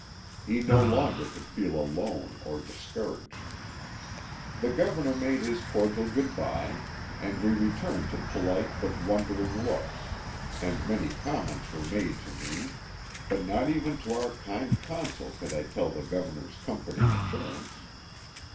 He no longer could feel alone or discouraged. THE HAT OF THE POSTMASTER. 163 The Governor made his cordial good by, and we returned to polite but wondering looks, and many comments were made to me, but not even to our kind Consul could I tell the Governor's comforting assurance.